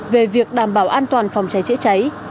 về việc đảm bảo an toàn phòng cháy chữa cháy